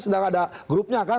sedang ada grupnya kan